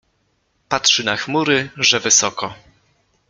Patrzy na chmury, że wysoko.